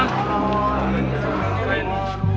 oh haji sulam